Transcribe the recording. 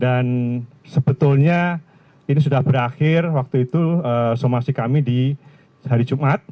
dan sebetulnya ini sudah berakhir waktu itu somasi kami di hari jumat